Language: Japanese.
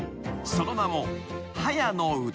その名も］